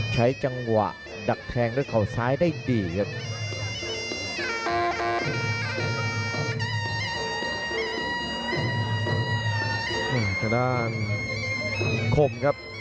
ใช้จังหวะดักแทงด้วยเขาซ้ายได้ดีครับ